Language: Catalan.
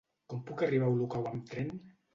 Com puc arribar a Olocau amb tren?